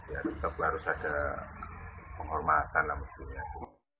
ya tetap harus ada penghormatan lah mestinya